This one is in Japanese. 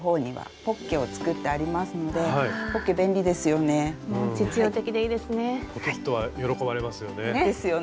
ポケットは喜ばれますよね。